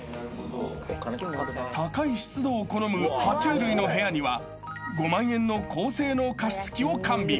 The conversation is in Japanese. ［高い湿度を好む爬虫類の部屋には５万円の高性能加湿器を完備］